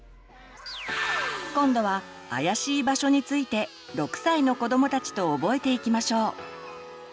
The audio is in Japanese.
今度は「あやしい場所」について６歳の子どもたちと覚えていきしょう。